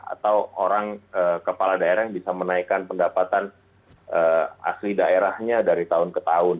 atau orang kepala daerah yang bisa menaikkan pendapatan asli daerahnya dari tahun ke tahun